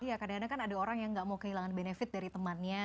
iya kadang kadang kan ada orang yang nggak mau kehilangan benefit dari temannya